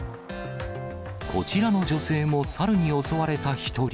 こちらの女性もサルに襲われた